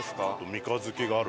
三日月があるもん。